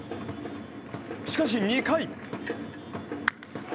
しかし、２回。